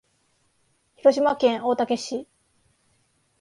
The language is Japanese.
広島県大竹市